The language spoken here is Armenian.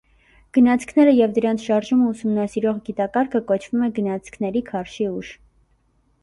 Գնացքները և դրանց շարժումը ուսումնասիրող գիտակարգը կոչվում է գնացքների քարշի ուժ։